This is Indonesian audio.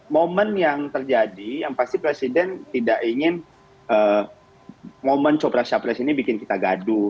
momen yang terjadi yang pasti presiden tidak ingin momen copras capres ini bikin kita gaduh